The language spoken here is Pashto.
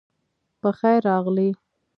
پخیر راغلی